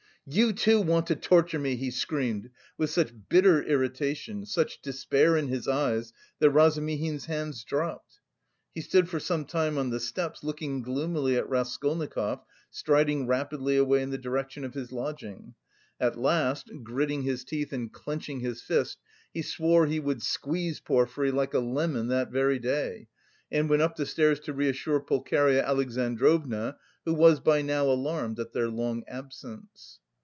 "You, too, want to torture me!" he screamed, with such bitter irritation, such despair in his eyes that Razumihin's hands dropped. He stood for some time on the steps, looking gloomily at Raskolnikov striding rapidly away in the direction of his lodging. At last, gritting his teeth and clenching his fist, he swore he would squeeze Porfiry like a lemon that very day, and went up the stairs to reassure Pulcheria Alexandrovna, who was by now alarmed at their long absence.